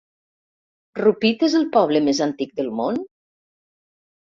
Rupit és el poble més antic del món?